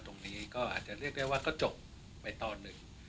ตรงนี้ก็อาจจะเรียกได้ว่าก็จบไปตอนหนึ่ง